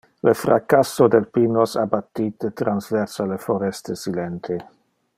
Le fracasso del pinos abattite transversa le foreste silente.